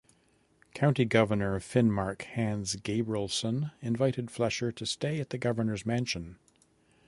County Governor of Finnmark Hans Gabrielsen invited Fleischer to stay at the governor's mansion.